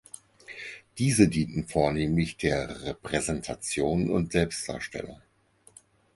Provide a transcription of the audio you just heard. Diese dienten vornehmlich der Repräsentation und Selbstdarstellung.